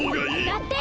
だって！